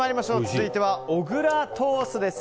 続いては小倉トーストです。